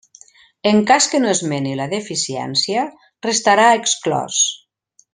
En cas que no esmeni la deficiència, restarà exclòs.